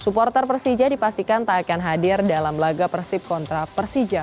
supporter persija dipastikan tak akan hadir dalam laga persib kontra persija